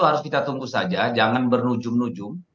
harus kita tunggu saja jangan bernujum nujum